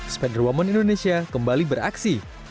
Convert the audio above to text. spider woman indonesia kembali beraksi